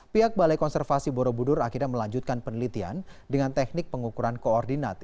pihak balai konservasi borobudur akhirnya melanjutkan penelitian dengan teknik pengukuran koordinat